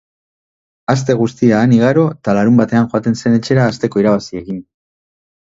Aste guztia han igaro eta larunbatean joaten zen etxera, asteko irabaziarekin.